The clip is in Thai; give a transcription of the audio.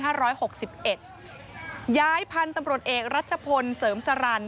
ย้ายหกสิบเอ็ดย้ายพันธุ์ตำรวจเอกรัชพลเสริมสรรค